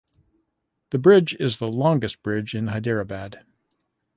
The bridge is the longest bridge in Hyderabad.